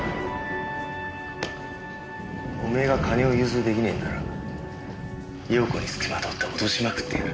おめえが金を融通出来ねえんなら容子につきまとって脅しまくってやる！